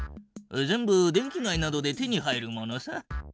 全部電気街などで手に入るものさ。